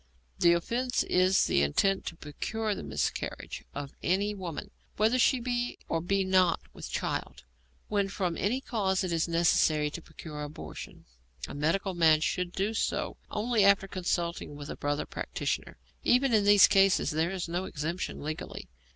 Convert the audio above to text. The offence is the intent to procure the miscarriage of any woman, whether she be or be not with child. When from any causes it is necessary to procure abortion, a medical man should do so only after consultation with a brother practitioner. Even in these cases there is no exemption legally.